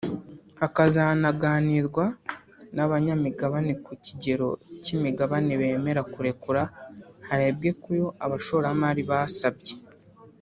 hakazanaganirwa n’abanyamigabane ku kigero cy’imigabane bemera kurekura harebwe ku yo aba bashoramari basabye